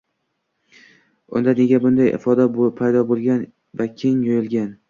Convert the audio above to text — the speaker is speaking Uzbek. Unda nega bunday ifoda paydo boʻlgan va keng yoyilgan